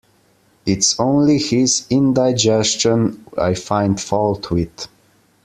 It's only his indigestion I find fault with.